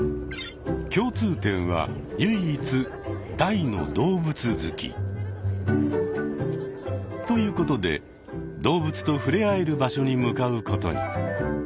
共通点は唯一「大の動物好き」。ということで動物とふれあえる場所に向かうことに。